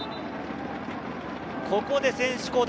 ここで選手交代。